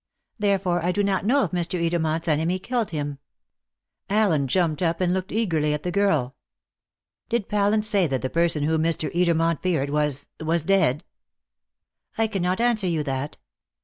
Therefore I do not know if Mr. Edermont's enemy killed him." Allen jumped up and looked eagerly at the girl. "Did Pallant say that the person whom Mr. Edermont feared was was dead?" "I cannot answer you that. Mr.